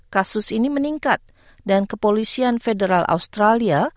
kasus ini meningkat dan kepolisian federal australia